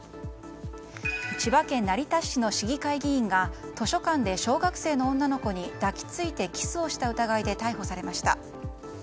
千葉県成田市の市議会議員が図書館で、小学生の女の子に抱き付いてキスをした疑いで逮捕されました。